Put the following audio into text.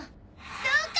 そうか！